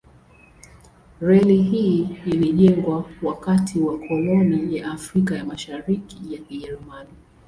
Reli hii ilijengwa wakati wa koloni ya Afrika ya Mashariki ya Kijerumani.